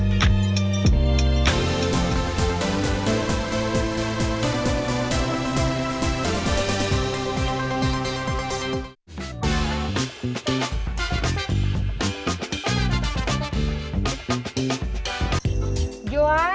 sampai jumpa lagi